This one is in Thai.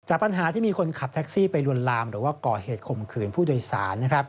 ปัญหาที่มีคนขับแท็กซี่ไปลวนลามหรือว่าก่อเหตุข่มขืนผู้โดยสาร